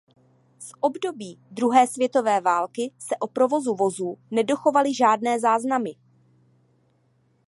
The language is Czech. Z období druhé světové války se o provozu vozů nedochovaly žádné záznamy.